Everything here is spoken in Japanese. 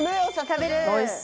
食べる！